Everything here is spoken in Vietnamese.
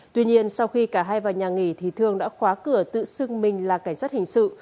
tuy nhiên sau khi cả hai vào nhà nghỉ thì thương đã khóa cửa tự xưng mình là cảnh sát hình sự